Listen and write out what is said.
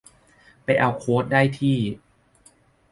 ไปเอาโค้ดได้ที่